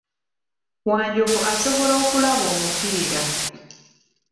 Wanjovu asobola okulaba omupiira.